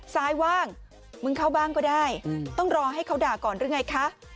ซ้ายว่างมึงเข้าบ้างก็ได้ต้องรอให้เขาด่าก่อนหรือไงคะ